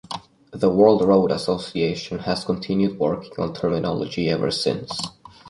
The World Road Association has continued working on terminology ever since.